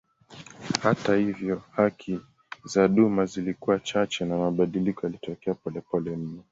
Hata hivyo haki za duma zilikuwa chache na mabadiliko yalitokea polepole mno.